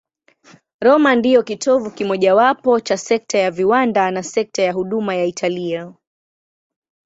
Roma ndiyo kitovu kimojawapo cha sekta ya viwanda na sekta ya huduma ya Italia.